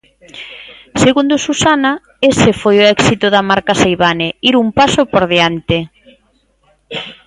Segundo Susana, "ese foi o éxito da marca Seivane: ir un paso por diante".